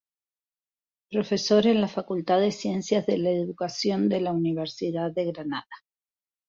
Profesor en la Facultad de Ciencias de la Educación de la Universidad de Granada.